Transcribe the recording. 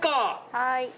はい。